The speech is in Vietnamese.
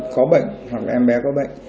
có bệnh hoặc em bé có bệnh